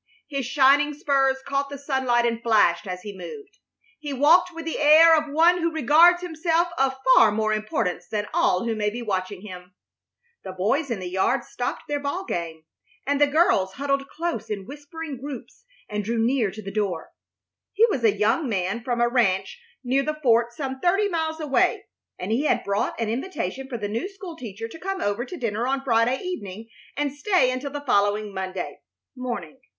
His shining spurs caught the sunlight and flashed as he moved. He walked with the air of one who regards himself of far more importance than all who may be watching him. The boys in the yard stopped their ball game, and the girls huddled close in whispering groups and drew near to the door. He was a young man from a ranch near the fort some thirty miles away, and he had brought an invitation for the new school teacher to come over to dinner on Friday evening and stay until the following Monday morning.